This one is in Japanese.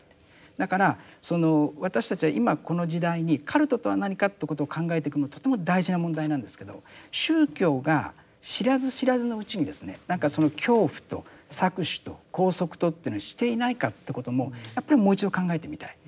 だからその私たちは今この時代にカルトとは何かということを考えていくのはとても大事な問題なんですけど宗教が知らず知らずのうちにですねなんかその恐怖と搾取と拘束とというのをしていないかってこともやっぱりもう一度考えてみたい。